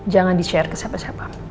jangan di share ke siapa siapa